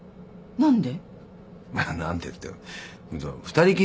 何で？